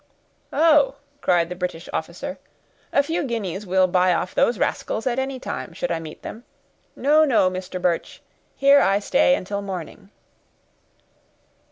"Oh!" cried the British officer, "a few guineas will buy off those rascals at any time, should I meet them. No, no, Mr. Birch, here I stay until morning."